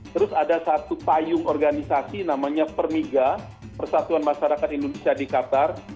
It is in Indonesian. terus ada satu payung organisasi namanya permiga persatuan masyarakat indonesia di qatar